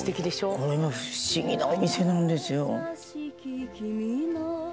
「これが不思議なお店なんですよ」